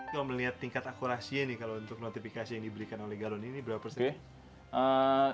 kalau melihat tingkat akurasinya nih kalau untuk notifikasi yang diberikan oleh galon ini berapa persen